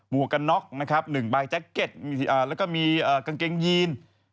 มูอกระน็อคหนึ่งใบแจ็คเก็ตแล้วก็มีกางเกงยีน